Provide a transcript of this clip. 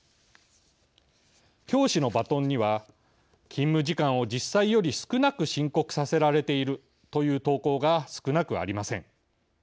教師のバトンには勤務時間を実際より少なく申告させられているという投稿が少なくありません。